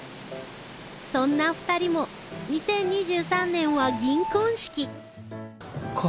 そんな２人も２０２３年は銀婚式。